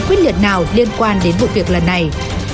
quyết nhận nào liên quan đến vụ việc lần này